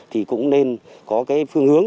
thì cũng nên có cái phương hướng